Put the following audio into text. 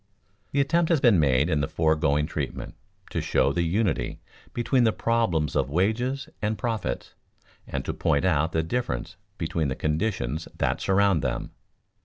_ The attempt has been made in the foregoing treatment to show the unity between the problems of wages and profits, and to point out the difference between the conditions that surround them.